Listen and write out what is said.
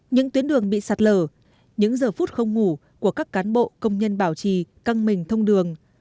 những tuyến đường bị sạt lở những giờ phút không ngủ của các cán bộ công nhân bảo trì căng mình thông đường